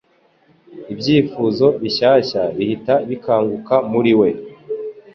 Ibyifuzo bishyashya bihita bikanguka muri we.